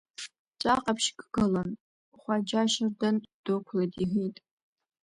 Ҵәаҟаԥшьк гылан, Хәаџьа Шьардын дықәлеит, — иҳәеит.